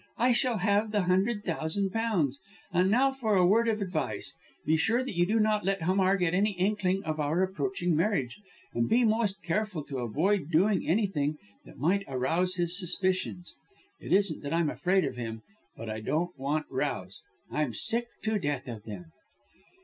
"I shall have the hundred thousand pounds. And now for a word of advice. Be sure that you do not let Hamar get any inkling of our approaching marriage, and be most careful to avoid doing anything that might arouse his suspicions. It isn't that I'm afraid of him but I don't want rows I'm sick to death of them!"